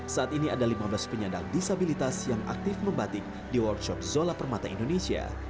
saat ini ada lima belas penyandang disabilitas yang aktif membatik di workshop zola permata indonesia